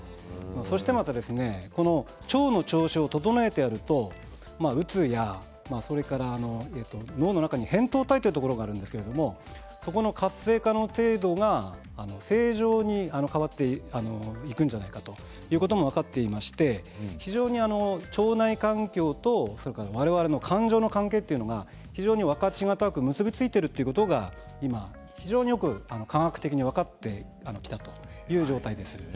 そして、また腸の調子を整えてやるとうつや、それから脳の中に、へんとう体というところがありますがその活性化の精度が正常に変わっていくんじゃないかってことも分かっていて非常に腸内環境と我々の感情の関係というのは非常に分かちがたく結び付いているということが非常によく科学的に分かってきたということです。